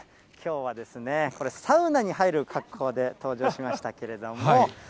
きょうはこれ、サウナに入る格好で登場しましたけれども。